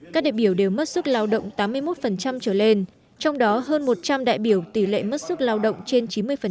các đại biểu đều mất sức lao động tám mươi một trở lên trong đó hơn một trăm linh đại biểu tỷ lệ mất sức lao động trên chín mươi